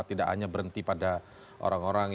tidak hanya berhenti pada orang orang